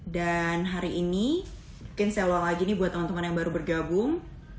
dan hari ini mungkin saya luang lagi nih buat teman teman yang baru bergabung